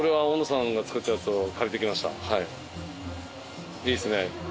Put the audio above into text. いいですね。